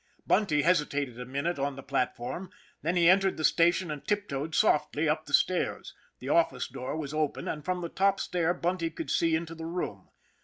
Bunty hesitated a minute on the platform, then he entered the station and tiptoed softly up the stairs. The office door was open, and from the top stair Bunty could see into the room.